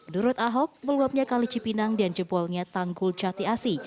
nurut ahok meluapnya kalijipinang dan jebolnya tanggul jati asi